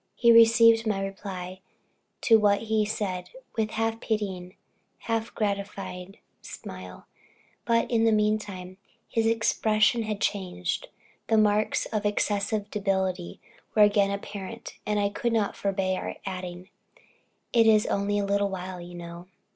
He received my reply to what he had said, with a half pitying, half gratified smile, but in the meantime his expression had changed the marks of excessive debility were again apparent, and I could not forbear adding, "It is only a little while, you know."